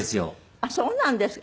あっそうなんですか。